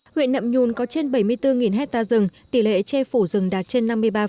huyện nậm nhùn có trên bảy mươi bốn hectare rừng tỷ lệ che phủ rừng đạt trên năm mươi ba